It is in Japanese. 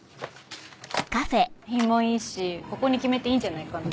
品もいいしここに決めていいんじゃないかな。